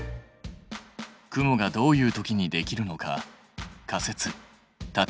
雲がどういう時にできるのか仮説立てられそう？